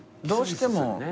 どうしても。